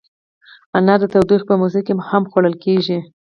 انار د تودوخې په موسم کې هم خوړل کېږي.